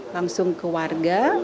langsung ke warga